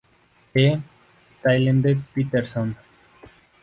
E. Tylden-Pattenson.